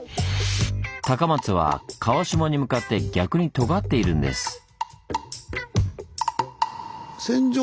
高松は川下に向かって逆にとがっているんです。